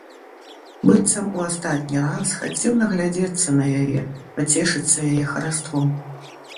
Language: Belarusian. Быццам у астатні раз хацеў наглядзецца на яе, пацешыцца яе хараством.